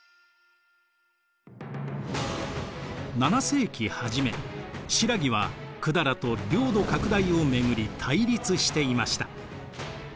７世紀初め新羅は百済と領土拡大を巡り対立していました。